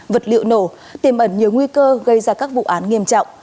vật liệu nổ tiêm ẩn nhiều nguy cơ gây ra các vụ án nghiêm trọng